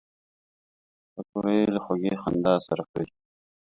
پکورې له خوږې خندا سره خوري